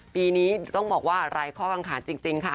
ปีนี้ต้องบอกว่าไร้ข้ออังคารจริงค่ะ